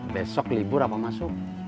besok libur apa masuk